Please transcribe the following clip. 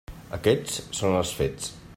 Aquests són els fets.